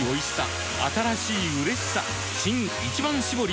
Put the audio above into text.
新「一番搾り」